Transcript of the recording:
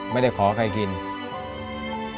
ร้านได้ทุกอาชีพไม่ได้ขอให้ใครกิน